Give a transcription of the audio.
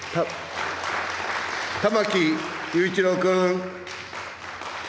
玉木雄一郎君。